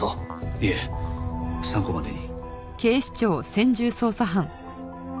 いえ参考までに。